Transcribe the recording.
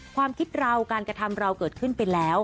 ความคิดเราการกระทำเราเกิดขึ้นไปแล้ว